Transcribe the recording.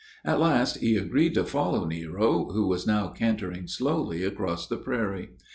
At last he agreed to follow Nero, who was now cantering slowly across the prairie.